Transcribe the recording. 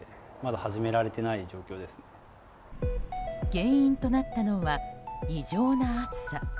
原因となったのは異常な暑さ。